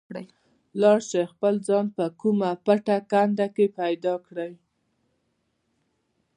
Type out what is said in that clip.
لاړ شئ خپل ځان په کومه پټه کنده کې پیدا کړئ.